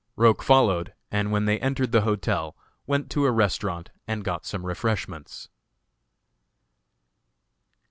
Roch followed, and when they entered the hotel, went to a restaurant and got some refreshments.